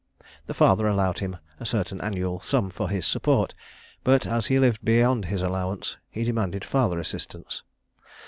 The father allowed him a certain annual sum for his support; but, as he lived beyond his allowance, he demanded farther assistance.